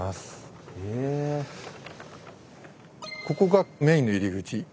ここがメインの入り口